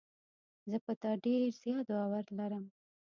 زه په تا ډېر زیات باور لرم.